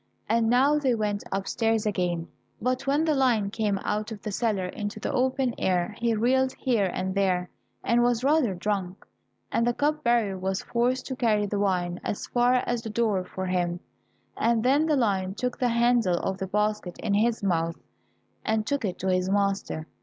And now they went upstairs again, but when the lion came out of the cellar into the open air, he reeled here and there, and was rather drunk, and the cup bearer was forced to carry the wine as far as the door for him, and then the lion took the handle of the basket in his mouth, and took it to his master.